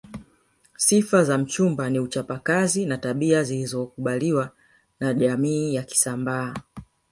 Sifa za mchumba ni uchapa kazi na tabia zinazokubaliwa na jamii ya kisambaa